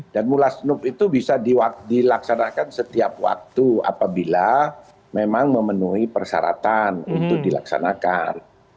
dan munaslub itu bisa dilaksanakan setiap waktu apabila memang memenuhi persaratan untuk dilaksanakan